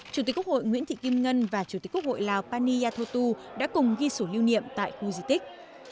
chủ tịch quốc hội nguyễn thị kim ngân và chủ tịch quốc hội lào pani yathotu đã cùng ghi sổ lưu niệm tại khu di tích